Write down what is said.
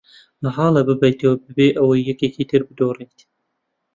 مەحاڵە ببەیتەوە بەبێ ئەوەی یەکێکی تر بدۆڕێت.